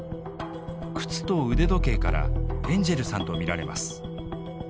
靴と腕時計からエンジェルさんと見られます。